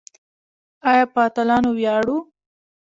آیا په اتلانو ویاړو؟